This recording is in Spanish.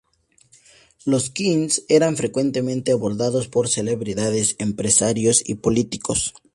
Los 'Queens' eran frecuentemente abordados por celebridades, empresarios y políticos.